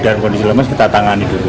dan kondisi lemas kita tangani dulu